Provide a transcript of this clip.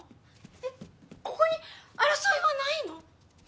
えっここに争いはないの？